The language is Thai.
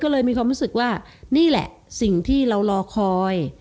ก็เลยมีความรู้สึกว่านี่แหละสิ่งที่เรารอคอย